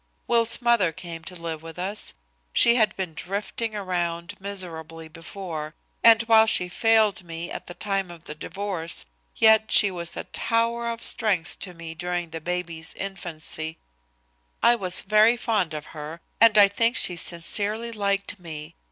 Will's mother came to live with us she had been drifting around miserably before and while she failed me at the time of the divorce, yet she was a tower of strength to me during the baby's infancy. I was very fond of her and I think she sincerely liked me.